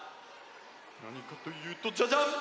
なにかというとジャジャン！